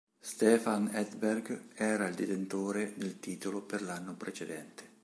Stefan Edberg era il detentore del titolo per l'anno precedente.